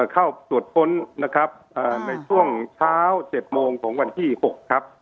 เข้าตรวจค้นนะครับในช่วงเช้า๗โมงของวันที่๖ครับ